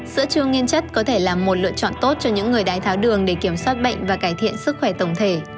sữa chua nghiên chất có thể là một lựa chọn tốt cho những người đài tháo đường để kiểm soát bệnh và cải thiện sức khỏe tổng thể